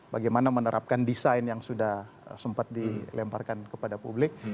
bagaimana menerapkan desain yang sudah sempat dilemparkan kepada publik